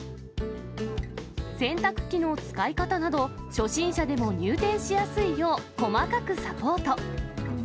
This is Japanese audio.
洗濯機の使い方など、初心者でも入店しやすいよう細かくサポート。